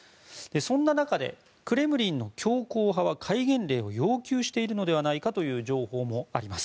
そんな中、クレムリンの強硬派は戒厳令を要求しているのではないかという情報があります。